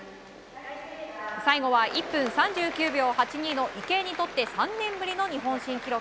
最後は１分３９秒８２の池江にとって３年ぶりの日本新記録。